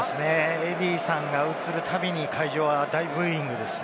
エディーさんが映るたびに会場は大ブーイングですね。